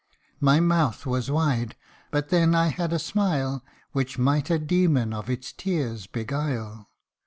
My mouth was wide, but then I had a smile Which might a demon of its tears beguile.